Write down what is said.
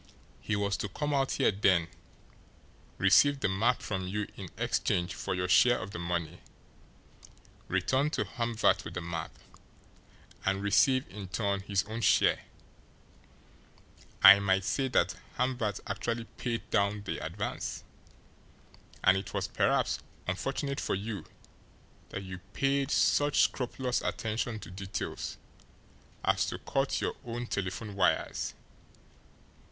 He was to come out here then, receive the map from you in exchange for your share of the money, return to Hamvert with the map, and receive in turn his own share. I might say that Hamvert actually paid down the advance and it was perhaps unfortunate for you that you paid such scrupulous attention to details as to cut your own telephone wires!